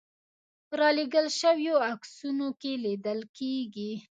په رالېږل شویو عکسونو کې لیدل کېږي.